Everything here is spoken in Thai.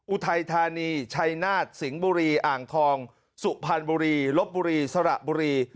อุทัยธานีชัยนาฏสิงห์บุรีอ่างทองสุพรรณบุรีลบบุรีสระบุรี